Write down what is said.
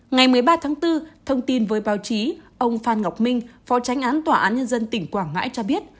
ngày một mươi ba tháng bốn thông tin với báo chí ông phan ngọc minh phó tránh án tòa án nhân dân tỉnh quảng ngãi cho biết